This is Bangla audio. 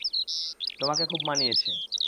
তোমাকে খুব মানিয়েছে।